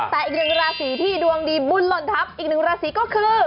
แต่อีกหนึ่งราศีที่ดวงดีบุญหล่นทัพอีกหนึ่งราศีก็คือ